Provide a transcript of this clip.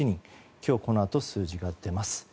今日このあと数字が出ます。